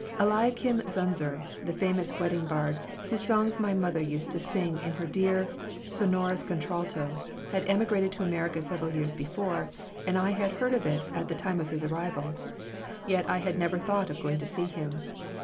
Eliakim Zunzer, the famous wedding bard whose songs my mother used to sing in her dear, sonorous contralto, had emigrated to America several years before and I had heard of it at the time of his arrival, yet I had never thought of going to see him.